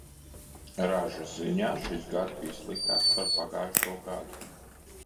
Ražas ziņā šis gads bij sliktāks par pagājušo gadu.